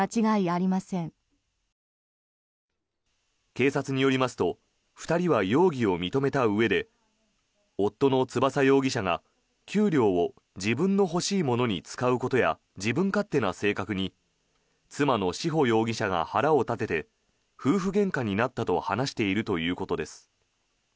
警察によりますと２人は容疑を認めたうえで夫の翼容疑者が給料を自分の欲しいものに使うことや自分勝手な性格に妻の志保容疑者が腹を立てて夫婦げんかになったと話しているということです。